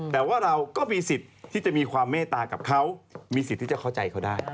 แต่ว่าเราก็มีสิทธิ์ที่จะมีความเมตตากับเขามีสิทธิ์ที่จะเข้าใจเขาได้